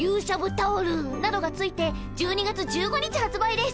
タオルなどが付いて１２月１５日発売です。